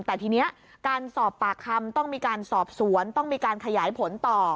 แต่ทีนี้การสอบปากคำต้องมีการสอบสวนต้องมีการขยายผลต่อ